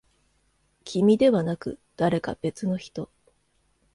君ではなく、誰か別の人。